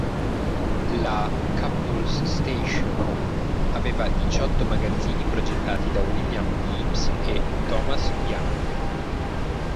La Cupples Station aveva diciotto magazzini progettati da William Eames e Thomas Young.